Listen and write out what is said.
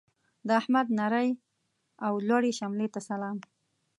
د احمد نرې او لوړې شملې ته سلام.